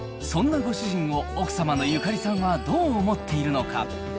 そんなご主人を奥様のゆかりさんはどう思っているのか。